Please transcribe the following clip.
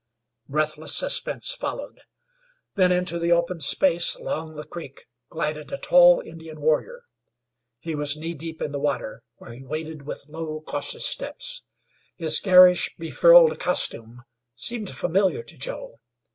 Breathless suspense followed. Then into the open space along the creek glided a tall Indian warrior. He was knee deep in the water, where he waded with low, cautious steps. His garish, befrilled costume seemed familiar to Joe.